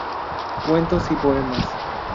Cuentos y poemas